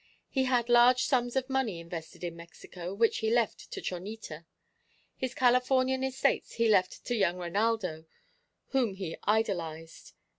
He had large sums of money invested in Mexico which he left to Chonita. His Californian estates he left to young Reinaldo, whom he idolised.